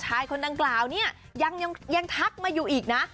คนดังกล่าวเนี่ยยังทักมาอยู่อีกนะ